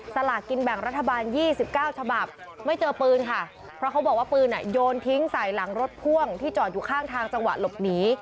สลากินแบ่งรัฐบาล๒๙ฉบับไม่เจอปืนค่ะเพราะเขาบอกว่าปืนโยนทิ้งใส่หลังรถพ่วงที่จอดอยู่ข้างทางจังหวะหลบหนี